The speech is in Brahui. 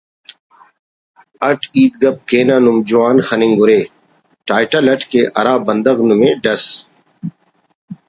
اٹ ہیت گپ کینہ نم جوان خننگ اُرے ٹائٹل اٹ کہ ہرا بندغ نمے ڈس